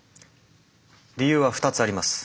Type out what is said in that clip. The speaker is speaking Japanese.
理由は２つあります。